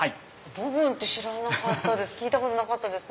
ボブンって知らなかったです